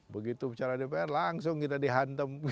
begitu bicara dpr langsung kita dihantam